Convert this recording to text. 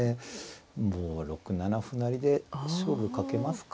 もう６七歩成で勝負かけますか。